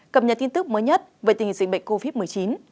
cập nhật tin tức mới nhất về tình hình dịch bệnh covid một mươi chín